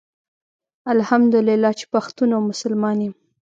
الحمدالله چي پښتون او مسلمان يم